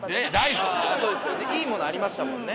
いい物ありましたもんね。